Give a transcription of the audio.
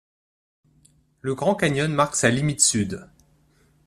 Le Grand Canyon marque sa limite sud.